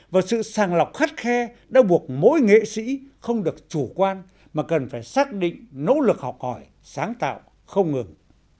và sự sàng lọc khắt khe đã buộc mỗi nghệ sĩ không được chủ quan mà cần phải xác định nỗ lực học hỏi sáng tạo không ngừng